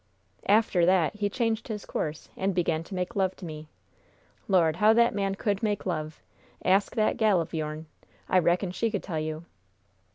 "After that he changed his course and began to make love to me! Lord, how that man could make love! Ask that gal of your'n! I reckon she could tell you!